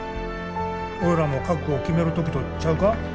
俺らも覚悟を決める時とちゃうか。